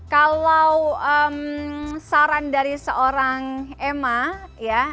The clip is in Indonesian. kalau saran dari seorang emma ya